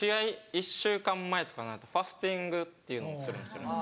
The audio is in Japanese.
１週間前とかになるとファスティングっていうのをするんです。